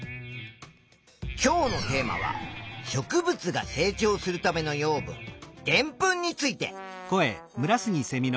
今日のテーマは植物が成長するための養分でんぷんについて。